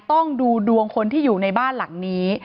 ต้องดูดวงคนที่อยู่ในบ้านหลังนี้